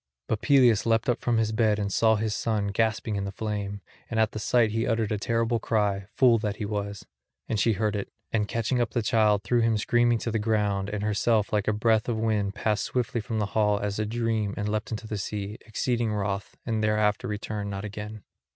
But Peleus leapt up from his bed and saw his dear son gasping in the flame; and at the sight he uttered a terrible cry, fool that he was; and she heard it, and catching up the child threw him screaming to the ground, and herself like a breath of wind passed swiftly from the hall as a dream and leapt into the sea, exceeding wroth, and thereafter returned not again.